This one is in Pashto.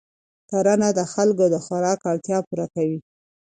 کرنه د خلکو د خوراک اړتیا پوره کوي